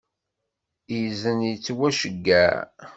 Izen yettwaceyyeɛ.